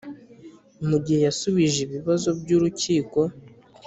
mu gihe yasubije ibibazo by'urukiko